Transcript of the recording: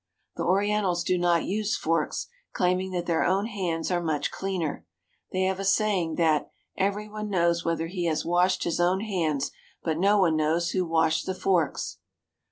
The Orientals do not use forks, claiming that their own hands are much cleaner. They have a saying that "everyone knows whether he has washed his own hands, but no one knows who washed the forks."